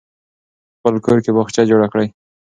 په خپل کور کې باغچه جوړه کړئ.